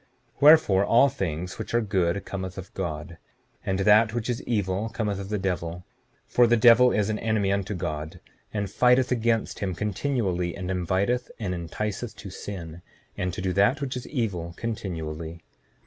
7:12 Wherefore, all things which are good cometh of God; and that which is evil cometh of the devil; for the devil is an enemy unto God, and fighteth against him continually, and inviteth and enticeth to sin, and to do that which is evil continually.